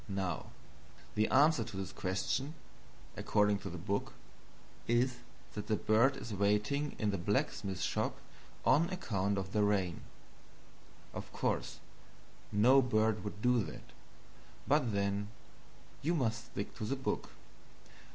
Now the answer to this question according to the book is that the bird is waiting in the blacksmith shop on account of the rain. Of course no bird would do that, but then you must stick to the book.